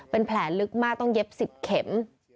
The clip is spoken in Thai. เป็นแผลลึกมากต้องเย็บ๑๐เข็ม